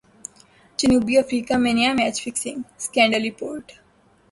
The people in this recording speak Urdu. جنوبی افریقہ میں نیا میچ فکسنگ سکینڈل رپورٹ